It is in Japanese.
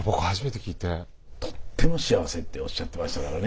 とっても幸せっておっしゃってましたからね。